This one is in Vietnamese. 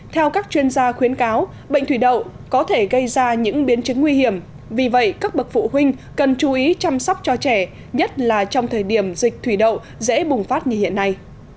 theo các chuyên gia khuyến cáo bệnh thủy đậu có thể gây ra những biến chứng nguy hiểm vì vậy các bậc phụ huynh cần chú ý chăm sóc cho trẻ nhất là trong thời điểm dịch thủy đậu dễ bùng phát như hiện nay